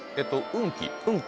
運気。